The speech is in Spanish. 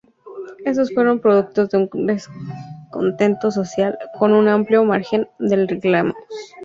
Estos fueron producto de un descontento social, con un amplio margen de reclamos.